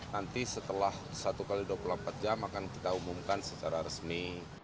nanti setelah satu x dua puluh empat jam akan kita umumkan secara resmi